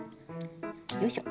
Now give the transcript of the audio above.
よいしょ。